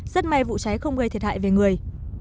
rất may vụ cháy không gây thiệt hại về người